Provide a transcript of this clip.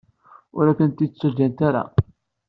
Ur ak-t-id-ǧǧant ara.